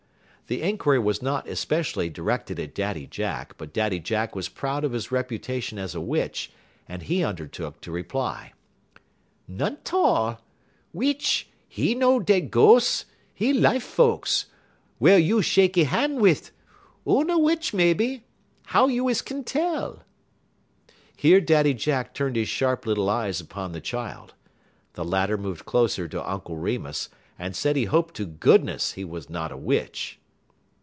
The inquiry was not especially directed at Daddy Jack, but Daddy Jack was proud of his reputation as a witch, and he undertook to reply. "None 't all. Witch, 'e no dead ghos' 'e life folks, wey you shekky han' wit'. Oona witch mebbe; how you is kin tell?" Here Daddy Jack turned his sharp little eyes upon the child. The latter moved closer to Uncle Remus, and said he hoped to goodness he was n't a witch.